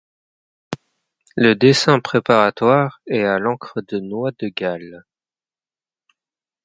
Le dessin préparatoire est à l'encre de noix de galle.